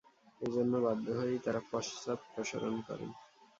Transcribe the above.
এ জন্য বাধ্য হয়েই তারা পশ্চাদপসরণ করেন।